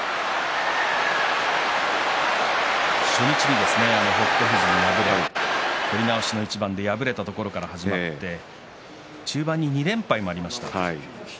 初日に北勝富士に敗れ取り直しの一番で敗れたところから始まって中盤に２連敗もありました。